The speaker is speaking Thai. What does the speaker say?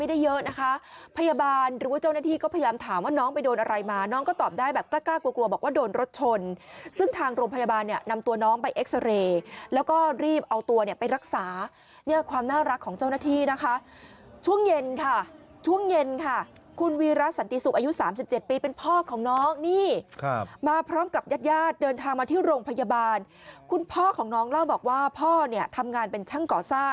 เดี๋ยวดูบรรยากาศตรงนี้หน่อยนะคะ